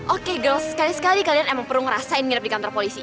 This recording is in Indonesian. oke gel sekali sekali kalian emang perlu ngerasain ngirip di kantor polisi